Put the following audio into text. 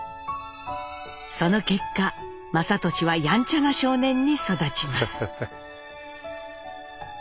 その結果雅俊はやんちゃな少年に育ちます。